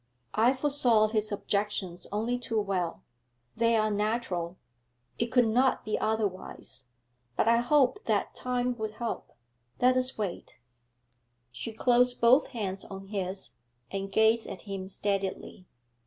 I foresaw his objections only too well; they are natural, it could not be otherwise; but I hoped that time would help. Let us wait!' She closed both hands on his, and gazed at him steadily.